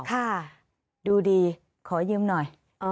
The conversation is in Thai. ค่ะดูดีขอยืมหน่อย